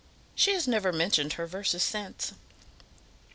She has never mentioned her verses since."